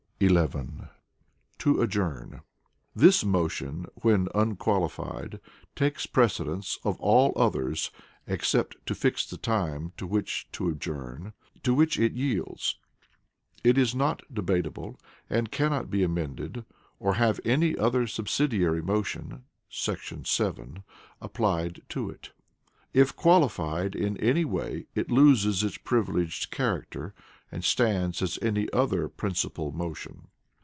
11. To Adjourn. This motion (when unqualified) takes precedence of all others, except to "fix the time to which to adjourn," to which it yields. It is not debatable, and cannot be amended, or have any other subsidiary motion [§ 7] applied to it. If qualified in any way it loses its privileged character, and stands as any other principal motion.